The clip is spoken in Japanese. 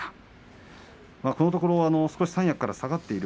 このところ三役から下がってます。